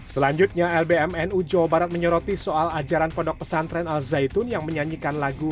selanjutnya lbmnu jawa barat menyoroti soal ajaran pondok pesantren al zaitun yang menyanyikan lagu